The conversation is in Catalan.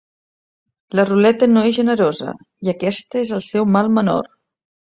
La ruleta no és generosa, i aquesta és el seu mal menor.